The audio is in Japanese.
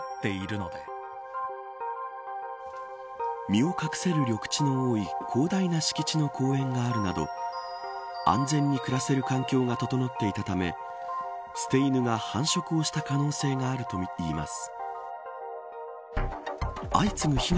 身を隠せる緑地の多い広大な敷地の公園があるなど安全に暮らせる環境が整っていたため捨て犬が繁殖をした可能性があるといいます。